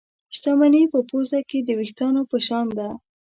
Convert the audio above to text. شتمني په پوزه کې د وېښتانو په شان ده.